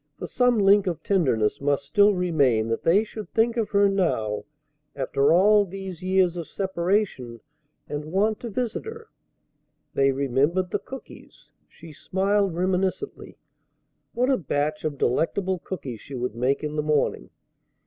For some link of tenderness must still remain that they should think of her now after all these years of separation, and want to visit her. They remembered the cookies! She smiled reminiscently. What a batch of delectable cookies she would make in the morning!